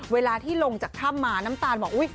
เวลาที่ลงจากถ้ำมาน้ำตาลบอกอุ๊ย